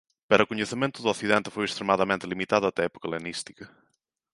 Pero o coñecemento do Occidente foi extremadamente limitado até a época helenística.